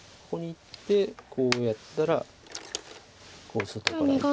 ここにいってこうやったらこう外から。